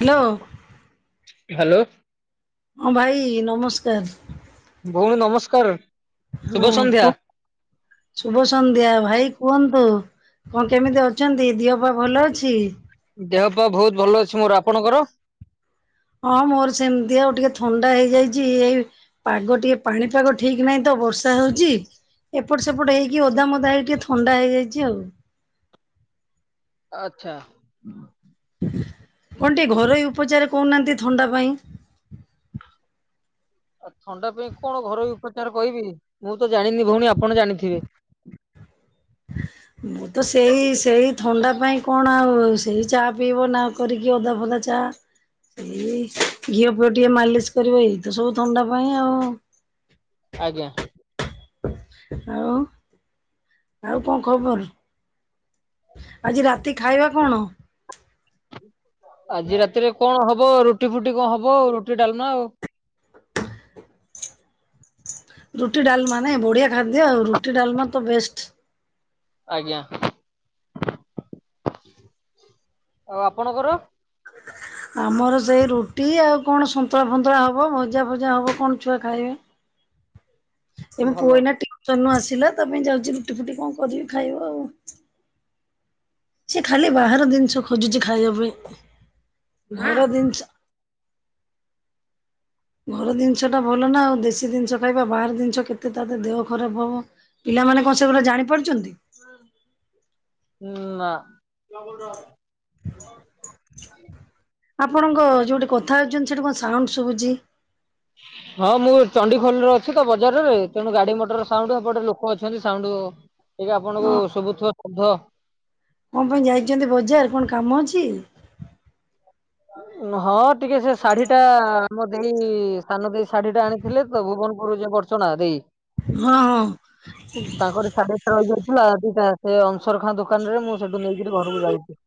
Hello. Hello. ହଁ ଭାଇ ନମସ୍କାର। ଭଉଣୀ ନମସ୍କାର। ଶୁଭ ହଁ ସନ୍ଧ୍ୟା କୁହ ଶୁଭ ସନ୍ଧ୍ୟା ଭାଇ କୁହନ୍ତୁ। କଣ କେମିତି ଅଛନ୍ତି, ଦିହ ପା ଭଲ ଅଛି? ଦେହ ପା ବହୁତ୍ ଭଲ ଅଛି ମୋର। ଆପଣଙ୍କର? ହଁ ମୋର ସେମତି ଆଉ ଟିକେ ଥଣ୍ଡା ହେଇଯାଇଚି ଏଇ ପାଗ ଟିକେ ପାଣିପାଗ ଠିକ ନାହିଁ ତ। ବର୍ଷା ହଉଚି। ଏପଟ ସେପଟ ହେଇକି ଓଦା ମୋଦା ହେଇକି ଟିକେ ଥଣ୍ଡା ହେଇଯାଇଛି ଆଉ। ଆଚ୍ଛା। କଣ ଟିକେ ଘରୋଇ ଉପଚାର କହୁନାହାନ୍ତି ଥଣ୍ଡା ପାଇଁ? ଆଉ ଥଣ୍ଡା ପାଇଁ କଣ ଘରୋଇ ଉପଚାର କହିବି? ମୁଁ ତ ଜାଣିନି ଭଉଣୀ ଆପଣ ଜାଣିଥିବେ। ମୁଁ ତ ସେଇ ସେଇ ଥଣ୍ଡା ପାଇଁ କଣ ଆଉ ସେଇ ଚା ପିଇବ ନା କରିକି। ଅଦା ଫଦା ଚା ଚା ସେଇ ଘିଅ ଫିଅ ଟିକେ ମାଲିସ୍ କରିବ ଏଇତ ସବୁ ଥଣ୍ଡା ପାଇଁ ଆଉ। ଆଜ୍ଞା। ଆଉ, ଆଉ କଣ ଖବର? ଆଜି ରାତି ଖାଇବା କଣ? [unintelligible] ଆଜି ରାତିରେ କଣ ହବ, ରୁଟି ଫୁଟି କଣ ହବ ଆଉ, ରୁଟି ଡାଲମା ଆଉ। ରୁଟି ଡାଲମା ନାଇ ବଢିଆ ଖାଦ୍ୟ ଆଉ। ରୁଟି ଡାଲମା ତ ବେଷ୍ଟ୍। ଆଜ୍ଞା। ଆଉ ଆପଣଙ୍କର? ଆମର ସେଇ ରୁଟି ଆଉ କଣ ସନ୍ତୁଳା ଫନ୍ତୁଳା ହବ। ଭଜା ଫଜା ହବ କଣ ଛୁଆ ଖାଇବେ। ସେ ମୋ ଭଲ ପୁଅ ଏଇନା ଟିଉସନ୍ ରୁ ଆସିଲା ତା ପାଇଁ ଯାଉଛି ରୁଟି ଫୁଟି କଣ କରିବି ଖାଇବ ଆଉ। ସିଏ ଖାଲି ବାହାର ଦିନିଷ ଖୋଜୁଚି ଖାଇବା ପାଇଁ। ଘର ଦିନିଷ ଘର ଦିନିଷ ଟା ଭଲ ନା ଆଉ ଦେଶୀ ଦିନିଷ ଖାଇବା ବାହାର ଦିନିଷ କେତେ ତା ଦେହ ଖରାପ ହବ। ପିଲାମାନେ [inaudible] କଣ ସେଗୁଡା ଜାଣି ପାରୁଛନ୍ତି। ହୁଁ, ନା। ଆପଣଙ୍କ ଯୋଉଠି କଥା ହଉଛନ୍ତି ସେଠି କଣ ସାଉଣ୍ଡ୍ ଶୁଭୁଛି? ହଁ ମୁଁ ଚଣ୍ଡିଖୋଲର ଅଛି ତ ବଜାରରେ ତେଣୁ ଗାଡି ମଟର ସାଉଣ୍ଡ୍। ଏପଟେ ଲୋକ ଅଛନ୍ତି ସାଉଣ୍ଡ୍। ଏବେ ହଁ ଆପଣଙ୍କୁ ସବୁଥୁବ ଶବ୍ଧ। କଣ ପାଇଁ ଯାଇଛନ୍ତି ବଜାର କଣ କାମ ଅଛି? ହଁ ଟିକେ ସେ ଶାଢୀ ଟା ଆମ ଦେଇ ସାନ ଦେଇ ଶାଢୀ ଟା ଆଣିଥିଲେ ତ ଭୁବନପୁରରୁ ଯୋଉ ବରଛଣ୍ଡା ଦେଇ। ହଁ, ହଁ। ଥିଲା ଦିଟା ସେ ଅଂସର ଖାଁ ଦୋକାନ ରେ ମୁଁ ସେଠୁ ନେଇକିରି ଘରକୁ ଯାଉଛି।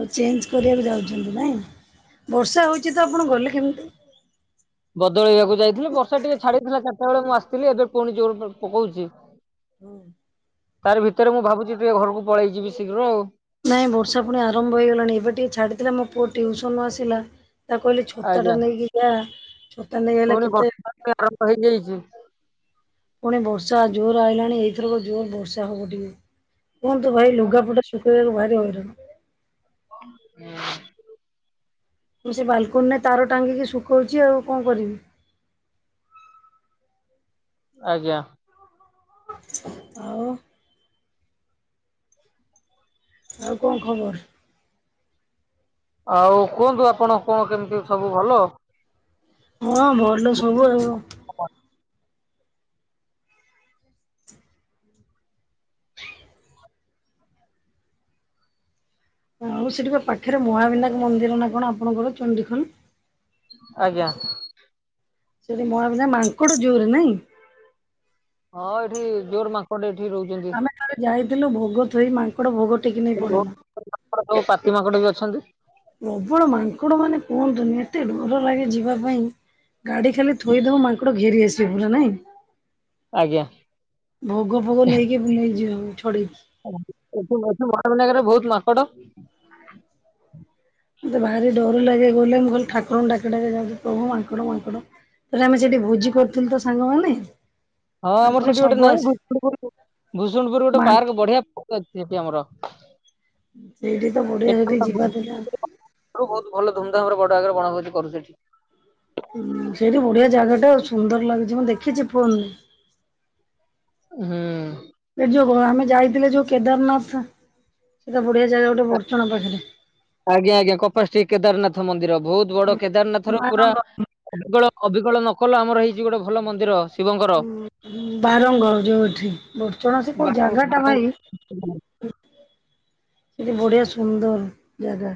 ଆଉ ଚେଞ୍ଜ୍ କରିବାକୁ ଯାଉଛନ୍ତି ନାଇଁ? ବର୍ଷା ହଉଛି ତ ଆପଣ ଗଲେ କେମିତି? ବଦଳେଇବାକୁ ଯାଇଥିଲି ବର୍ଷା ଟିକେ ଛାଡିଥିଲା ସେତେ ବେଳେ ମୁଁ ଆସିଥିଲି। ଏବେ ପୁଣି ଜୋର ଫେର ପକଉଛି। ହଁ। ତାରି ଭିତରେ ମୁଁ ଭାବୁଚି ଟିକେ ଘରକୁ ପଳେଇ ଯିବି ଶୀଘ୍ର। ନାଇଁ ବର୍ଷା ପୁଣି ଆରମ୍ଭ ହେଇଗଲାଣି। ଏବେ ଟିକେ ଛାଡିଥିଲା ମୋ ପୁଅ ଟିଉସନ୍ ରୁ ଆସିଲା। ତାକୁ କହିଲେ ଛତା ଆଜ୍ଞା ଟା ନେଇକି ଯା। ଛତା ନେଇ ଆଇଲା ପୁଣି କେତେ ବର୍ଷା ଆରମ୍ଭ ହେଇଯାଇଚି। ପୁଣି ବର୍ଷା ଜୋର ଆଇଲାଣି ଏଇଥରକ ଜୋର ବର୍ଷା ହବ ଟିକେ। କୁହନ୍ତୁ ଭାଇ ଲୁଗାପୁଟା ଶୁଖେଇବାକୁ ଭାରି ହଇରାଣ। ହୁଁ। ମୁଁ ସେ ବାଲକୁନିରେ ତାର ଟାଙ୍ଗିକି ଶୁଖଉଛି। ଆଉ କଣ କରିବି? ଆଜ୍ଞା। ଆଉ। ଆଉ କଣ ଖବର? ଆଉ କୁହନ୍ତୁ ଆପଣ କଣ କେମିତି ସବୁ ଭଲ? ହଁ ଭଲ ସବୁ ଆଉ। ଆଉ ସେଠିପା ପାଖରେ ମହାବିନାୟକ ମନ୍ଦିର ନା କଣ ଆପଣଙ୍କର ଚଣ୍ଡିଖୋଲ? ଆଜ୍ଞା। ସେଠି ମହା ବିନାୟମାଙ୍କଡ ଜୋରେ ନାଇଁ? ହଁ ଏଇଠି ଜୋର ମାଙ୍କଡ ଏଠ ଆମେ ଥରେ ଯାଇଥିଲୁ ଭୋଗ ଥୋଇ ମାଙ୍କଡ ଭୋଗ ଟେକି ନେଇ ପଳେଇଲା। ବୋହୁତ ପାତି ମାଙ୍କଡ ବି ଅଛନ୍ତି। ପ୍ରବଳ ମାଙ୍କଡ ମାନେ କୁହନ୍ତୁନି ଏତେ ଭଲ ଲାଗେ ଯିବା ପାଇଁ। ଗାଡି ଖାଲି ଥୋଇଦବୁ ମାଙ୍କଡ ଘେରି ଆସିବେ, ପୁରା ନାଇଁ। ଆଜ୍ଞା। ଭୋଗ ଫୋଗ ନେଇକି- ନେଇଯିବେ ଛଡେଇକି। ଏଠ ଏଠ ମହାମନାଗରରେ ବହୁତ ମାକଡ ମତେ ଭାରି ଡର ଲାଗେ ଗଲେ ମୁଁ ଖାଲି ଠାକୁରଙ୍କୁ ଡାକି ଡାକି ଯାଉଛି ପ୍ରଭୁ ମାଙ୍କଡ଼ ମାଙ୍କଡ଼। ତାଲେ ଆମେ ସେଠି ଭୋଜି କରୁଥିଲୁ ତ ସାଙ୍ଗମାନେ। ହଁ ଆମର ମାଙ୍କଡ ସେଠି ଗୋଟେ ସବୁ ନାଇଁ ଆସି ଭୁୁର ଭୁସୁଣ୍ଡୁପୁର ଗୋଟେ ମା ପାର୍କ ବଢିଆ ପାର୍କ ଅଛି। ସେଠି ଆମର। ସେଇଠି ତ ବଢିଆ ସେଠି ଯିବା ଥିଲା। ତୁମ ତ ଆମର ବଡ ଆଗରେ ବଣଭୋଜି କରୁ ସେଠି ହ ସେଇଠି ବଢିଆ ଜାଗା ଟା ଆଉ ସୁନ୍ଦର ଲାଗୁଛି ମୁଁ ଦେଖିଛି ଫୁନନେ ହୁଁ। ସେ ଯୋଉ ଆମେ ଯାଇଥିଲେ ଯୋଉ କେଦାରନାଥ ସେଟା ବଢିଆ ଜାଗା ଗୋଟେ ବର୍ଚଣା ପାଖରେ। ଆଜ୍ଞା ଆଜ୍ଞା କପାଷ୍ଟିକ୍ କେଦାରନାଥ ମନ୍ଦିର ବହୁତ ବଡ କେଦାରନାଥ ର ପୁରା ଅଳ ଅବିକଳ ନ କଲ ଆମର ହେଇ ବାରଙ୍ଗ ଯୋଉଠି ବର୍ଚଣା ସେ କୋଉ ଜାଗା ଟା ଭାଇ ହୁଁ। ସେଠି ବଢିଆ ସୁନ୍ଦର ଜାଗା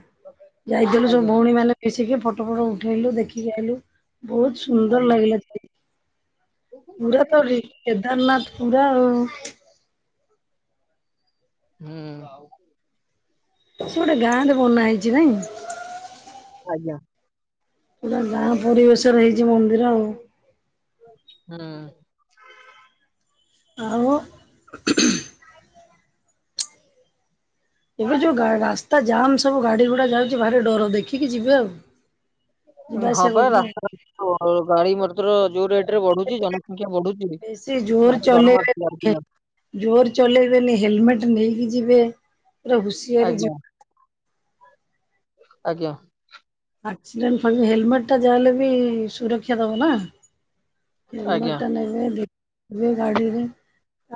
ଯାଇଥିଲୁ ସବୁ ଆଜ୍ଞା ଭଉଣୀ ମାନେ ମିଶିକି ଫଟ ଫଟ ଫଟ ଉଠେଇଲୁ ଦେଖିକି ଆଇଲୁ ବହୁତ ସୁନ୍ଦର ଆଜ୍ଞା ଲାଗିଲା ପୁରା ତ ରି କେଦାରନାଥ ପୁରା ଆଉ। ହୁଁ ଆଉ। ସେ ଗୋଟେ ଗାଁରେ ବନା ହେଇଛି ନାଇଁ? ଆଜ୍ଞା। ପୁରା ଗାଁର ପରିବେଶରେ ହେଇଛି ମନ୍ଦିର ଆଉ। ହ। ଆଉ [unintelligible] ଏବେ ଯୋଉ ଗା-ରାସ୍ତା ଜାମ୍ ସବୁ ଗାଡି ଘୋଡା ଯାଉଛି ଭାରି ଡର ଦେଖିକି ଯିବେ ଆଉ। ଯିବା ହଁ ଆସିବା ବା କରିବା ଆଉ ରାସ୍ତା ଗାଡି ମଟର ଯୋଉ ରେଟ ରେ ବଢୁଛି ଜ ସେ ଜୋର ମାଡୁଛି ଚଲେଇବେ ଆଜ୍ଞା ଜୋର ଚଲେଇବେନି ହେଲମେଟ ନେଇ କି ଯିବେ ପୁରା ହୁସିଆରେ ଯିବେ। ଆଜ୍ଞା। ଆକ୍ସିଡେଣ୍ଟ ହେଲମେଟ ଟା ଯାଲେ ବି ସୁରକ୍ଷା ଦେବ ନା। ଆଜ୍ଞା। ହେଲମେଟା ନେବେ ଦେ ଗାଡିରେ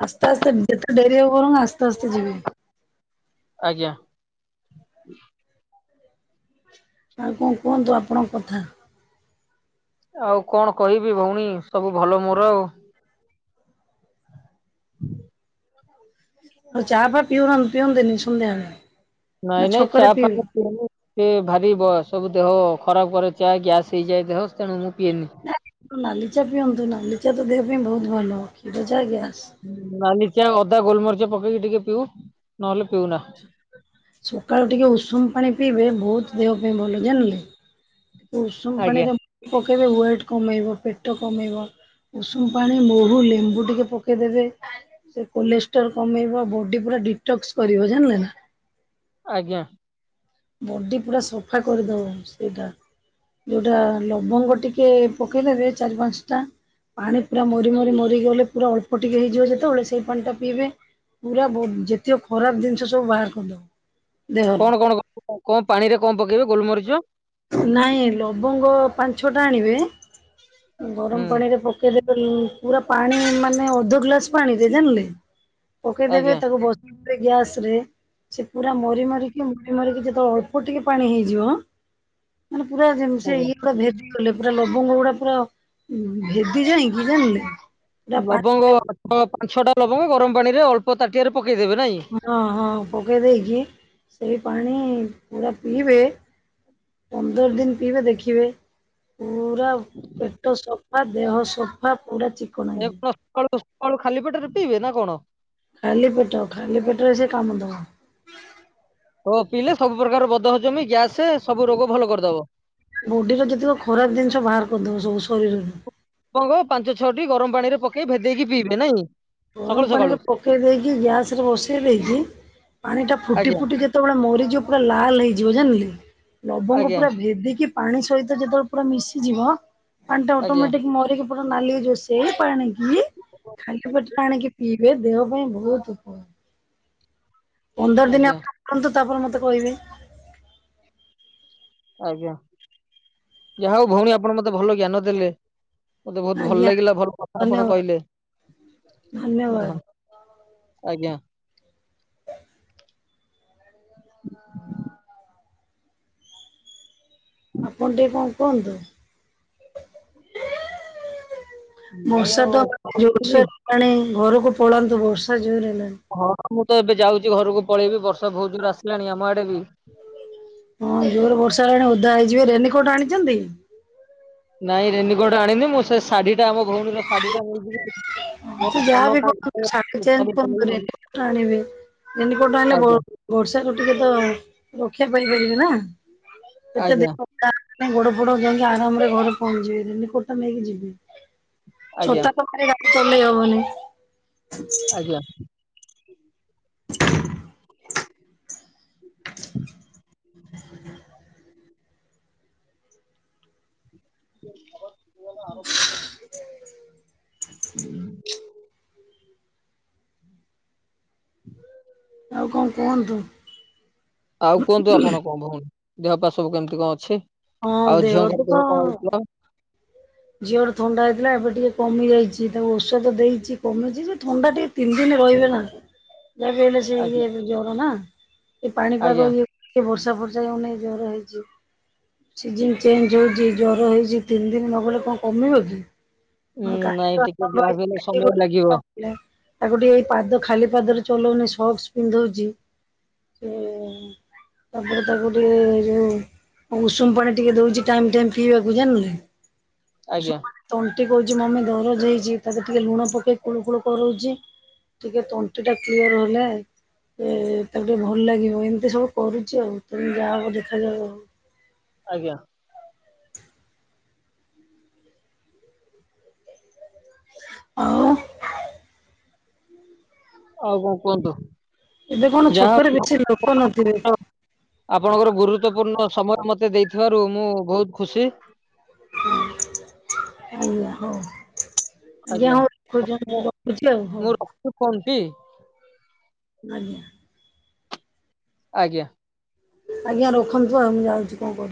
ଆସ୍ତେ ଆସ୍ତେ ଯେତେ ଡେରି ହଉ ବରମ ଆସ୍ତେ ଆସ୍ତେ ଯିବେ। ଆଜ୍ଞା। ଆଉ କଣ କୁହନ୍ତୁ ଆପଣଙ୍କ କଥା? ଆଉ କଣ କହିବି ଭଉଣୀ ସବୁ ଭଲ ମୋର ଆଉ। ହୁଁ [unintelligible] ଚା ଫା ପିଉନାହାନ୍ତି-ପିଅନ୍ତିନି ସନ୍ଧ୍ୟାବେଳେ। ନା ନାଇଁ ନାଇଁ ଚା ଛକରେ ଫା ପିଇବେ? ମୁ ପିଭନିସେ ଭାରି ବ ସବୁ ଦେହ ଖରାପ କରେ ଚା ଗ୍ୟାସ୍ ହେଇଯାଏ ଦେହ ତେଣୁ ମୁଁ ପିଏନି ନାଲିଚା ପିଅନ୍ତୁ ନାଲିଚା ତ ଦେହ ପାଇଁ ବହୁତ ଭଲ କ୍ଷୀରଚା ଗ୍ୟା ନାଲି ଚା ଅଦା ଗୋଲମରିଚ ପକେଇକି ଟିକେ ପିଉ ନହେଲେ ପିଉନା ସକାଳୁ ଟିକେ ଉଷୁମ ପାଣି ପିଇବେ ବହୁତ ଦେହ ପାଇଁ ଭଲ ଜାଣିଲେ। ଟିକେ ଉଷୁମ ଆଜ୍ଞା ପାଣିରେ ପକେଇବେ ୱେଟ କମେଇବ ପେଟ କମେଇବ। ଉଷୁମ ପାଣି ମହୁ ଲେମ୍ବୁ ଟିକେ ପକେଇଦେବେ, ସେ କୋଲେଷ୍ଟ୍ରୋର କମେଇବ ବଡି ପୁରା ଦିଟକ୍ସ କରିବ ଜାଣିଲେ ନା। ଆଜ୍ଞା। ବଡି ପୁରା ସଫା କରିଦବ ସେଇଟା। ଯୋଉଟା ଲବଙ୍ଗ ଟିକେ ପକେଇଦେବେ ଚାରି ପାଞ୍ଚଟା। ପାଣି ପୁରା ମରି ମରି ମରିି ଗଲେ, ପୁରା ଅଳ୍ପ ଟିକେ ହେଇଯିବ ଯେତେବେଳେ ସେଇ ପାଣି ଟା ପିଇବେ। ପୁରା ବ ଯେତୀକ ଖରାପ ଜିନିଷ ସବୁ ବାହାର କରିଦବ। କଣ ଦେହର କଣ କ ପାଣି ରେ କଣ ପକେଇବେ ଗୋଲମରିଚ ନାଇଁ ଲବଙ୍ଗ ପାଞ୍ଚ ଛ ଟା ଆଣିବେ ହୁଁ ଗରମ ପାଣିରେ ପକେଇଦେ ପୁରା ପାଣି ମାନେ ଅଧ ଗ୍ଲାସ ପାଣି ରେ ଜାଣିଲେ ପକେଇଦେବେ ଆଜ୍ଞା ତାକୁ ବସ୍ ରେ ଗ୍ୟାସ ରେ ସେ ପୁରା ମରି ମରି କି ରି କି ଯେତେଳେ ଅଳ୍ପ ଟିକେ ପାଣି ହେଇଯିବ ମାନେ ପୁରା ଯେମି ସେ ଆଜ୍ଞା। ଇଏ ପୁରା ଭେ ଦି ପୁରା ଲବଙ୍ଗ ଗୁଡା ପୁରା ଭେଦି ଯାଇକି ଜାଣିଲେ ପୁରା ଲବଙ୍ଗ ପାଣି ଠ ପାଞ୍ଚଛ ଟା ଲବଙ୍ଗ ଗରମ ପାଣି ରେ ଅଳ୍ପ ତାଟିଆରେ ପ ହଁ ହଁ ପକେଇ ଦେଇକି ସେଇ ପାଣି ଣି ପୁରା ପିଇବେ ପନ୍ଦର ଦିନ ପିଇବେ ଦେଖିବେ। ପୁରା ପେଟ ସଫା ଦେହ ସଫା ପୁରା ଚିକଣ ହେଇଯିବ। କଳୁ ଖାଲି ପେଟରେ ପିଇବେ ନା କଣ? ଖାଲି ପେଟ ଖାଲି ପେଟରେ ସେ କାମ ଦବ। ହ ପିଇଲେ ସବୁ ପ୍ରକାର ବଦ ହଜମି ଗ୍ୟାସ ସବୁ ରୋଗ ଭଲ କରିଦବ। ବୋଡିର ଯେତିକ ଖରାପ ଜିନିଷ ବାହାର କରିଦଉ ଲବଙ୍ଗ ପାଞ୍ଚ ଛଅଟି ଗରମ ପାଣି ରେ ପକେଇ ଭେଦେଇକି ପିଇବେ ନାଇଁ। ସକାଳୁ ଗରମ ସକାଳୁ ପାଣିରେ ପକେଇ ଦେଇକି ଗ୍ୟାସ ରେ ବସେଇ ଦେଇକି ପାଣି ଟା ଫୁଟି ଆଜ୍ଞା ଫୁଟି ଯେତେବେଳେ ମରିଯିବ ପୁରା ଲାଲ ହେଇଯିବ ଜାଣିଲେ। ଲବଙ୍ଗ ଆଜ୍ଞା ପୁରା ଭେଦିକି ପାଣି ସହିତ ଯେତେବେଳେ ପୁରା ମିଶିଯିବ, ପାଣି ଟା ଆଜ୍ଞା ଅଟୋମେଟିକ ମରି ନାଲି ହେଇଯିବ ସେଇ ପାଣିକି ଖାଲି ପେ ଛାଣିକି ପିଇବେ ଦେହ ପାଇଁ ବହୁତ ଉପକାର। ପନ୍ଦର ଦିନ ଆଜ୍ଞା ଆପଣ କରନ୍ତୁ ତାପରେ ମତେ କହିବେ। ଆଜ୍ଞା। ଯାହା ହଉ ଭଉଣୀ ଆପଣ ମତେ ଭଲ ଜ୍ଞାନ ଦେଲେ। ମତେ ବହୁତ ଭଲ ଆଜ୍ଞା। ଲାଗିଲା ଭଲ କଥା ଆପଣ ଧନ୍ୟବାଦ କହିଲେ ଧନ୍ୟବାଦ ଧ ଆଜ୍ଞା। ଆପଣ ଟିକେ କଣ କୁହନ୍ତୁ? ନାଇଁ ବର୍ଷା ଆଉ ତ ଜୋସୋରେ ହେଲାଣି ଘରକୁ ପଳାନ୍ତୁ, ବର୍ଷା ଜୋରେ ହଁ ମୁଁ ତ ଏବେ ଯାଉଛି ଘରକୁ ପଳେଇବି ବର୍ଷା ବହୁତ ଜୋର ଆସିଲାଣି ଆମ ଆଡେ ବି। ହଁ ଜୋର ବର୍ଷା ହେଲାଣି ଓଦା ହେଇଯିବେ ରେନିକୋଟ ଆଣିଛନ୍ତି। ନାଇଁ ରେନିକୋଟ ଆଣିନି ମୁଁ ସେ ଶାଢୀ ଟା ଆମ ଭଉଣୀର ଶାଢୀଟା ନେଇଯିବି। ଯାହାବି କଣ କର ଚେଞ୍ କଣ କରିବ ଆଣିବି। ରେନିକୋଟ ଆଣିଲେ ବ ଆଜ୍ଞା ବର୍ଷା ରୁ ଟିକେ ତ ର କ୍ଷା ପାଇପାରିବେ ନା ଏତେ ଆଜ୍ଞା ଦେଖ ନ ଗୋଡ ଫୋଡ ଯାଇ ଆରାମରେ ଘରେ ପହଞ୍ଚିବଯିବେ ରେନିକୋଟା ନେଇକି ଯିବେ। ଆଜ୍ଞା ଛତା ତ ଗାଡି ଚଲେଇ ହବନି। ଆଜ୍ଞା। [inaudible] [inaudible] [inaudible] [unintelligible] ହଁ, ହୁଁ ଆଉ କଣ କୁହନ୍ତୁ? ଆଉ କୁହନ୍ତୁ ଆପଣ କଣ ଭଉଣୀ, ଦେହ ପା ସବୁ କେମିତି କଣ ଅଛି? ହଁ ଆଉ ତ ଝିଅଙ୍କର ଦେହ କଣ ତ ହେଇଥିଲା? ଝିଅର ଥଣ୍ଡା ହେଇଥିଲା ଏବେ ଟିକେ କମିଯାଇଚି, ତାକୁ ଔଷଧ ଦେଇଚି କମିଚି ଯେ ଥଣ୍ଡା ଟିକେ ତିନି ଦିନି ରହିବେ ନା, ଯାହାବି ହେଲେ ସେ ଇଏ ଆଜ୍ଞା ଜର ନା, ସେ ଆଜ୍ଞା ପାଣିପାଗ ଇଏକୁ ଟିକେ ବର୍ଷା ବର୍ଷା ଫର୍ଷା ଇଏକୁ ନେଇ ଜର ହେଇଚି, ସିଜିନ୍ ଚେଞ୍ଜ ହଉଛି ଜର ହେଇଚି ତିନି ଦିନି ନଗଲେ କଣ କଣ କମିବ କି? ଉଁ ନାଇଁ ଟିକେ ଯାହା ବି ହେଲେ ସମୟ ଲାଗିବ। ତାକୁ ଏଇ ପାଦ ଖାଲି ପାଦରେ ଚଲଉନି ସକ୍ସ ପିନ୍ଧଉଛି ସେ ତାପରେ ତାକୁ ଟିକେ ଯୋଉ ଉଷୁମ ପାଣି ଟିକେ ଦଉଚି ଟାଇମ୍ ଟାଇଏମ୍ ପିଇବାକୁ ଜାଣିଲେ? ଆଜ୍ଞା। ତଣ୍ଟି କହୁଚି ମମି ଦରଜ ହେଇଛି, ତାକୁ ଟିକେ ଲୁଣ ପକେଇ କୁଳୁ କୁଳୁ କରଉଚି। ଟିକେ ତଣ୍ଟିଟା କ୍ଲିୟର ହେଲେ ଏ ତାକୁ ଟିକେ ଭଲ ଲାଗିବ ଏମତି ସବୁ କରୁଚି ଆଉ। ତେଣୁ ଯାହା ହବ ଦେଖାଯିବ ଆଉ। ଆଜ୍ଞା। ଆଉ ଆଉ କଣ କୁହନ୍ତୁ? ଏବେ କଣ ଯାହା ଛକରେ ବେଶୀ ଲୋକ ନଥିବେ? ହଉ ଆପଣଙ୍କର ଗୁରୁତ୍ୱପୂର୍ଣ୍ଣ ସମୟ ମତେ ଦେଇଥିବାରୁ ମୁଁ ବହୁତ ଖୁସି। ହଉ ଆଜ୍ଞା ହଉ। ଆଜ୍ଞା, ଆଜ୍ଞା। ହଉ ମୁଁ ରଖୁଚି ରଖୁଛି ଆଉ ହଉ। ମୁଁ ରଖୁଛି ଫୋନଟି ଆଜ୍ଞା। ଆଜ୍ଞା। ଆଜ୍ଞା ରଖନ୍ତୁ ଆଉ। ମୁଁ ଯାଉଛି କଣ କରି